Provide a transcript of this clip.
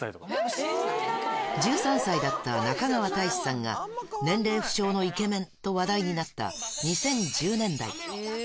１３歳だった中川大志さんが、年齢不詳のイケメンと話題になった２０１０年代。